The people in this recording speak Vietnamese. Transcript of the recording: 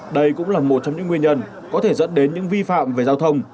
đây cũng là một trong những nguyên nhân có thể dẫn đến những vi phạm về giao thông